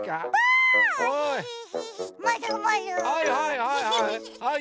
はいはいはいはい。